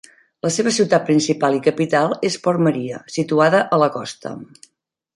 La seva ciutat principal i capital és Port Maria, situada a la costa.